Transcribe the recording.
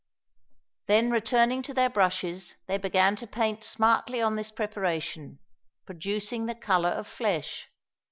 Then returning to their brushes, they began to paint smartly on this preparation, producing the colour of flesh."